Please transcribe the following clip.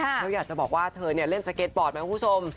เราอยากจะบอกว่าเธอเนี่ยเล่นสเก็ตบอร์ดไหมค่ะคุณผู้ชม